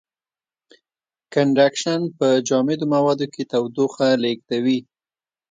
کنډکشن په جامدو موادو کې تودوخه لېږدوي.